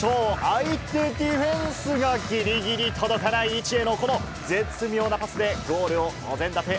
相手ディフェンスがぎりぎり届かない位置へのこの絶妙なパスで、ゴールをお膳立て。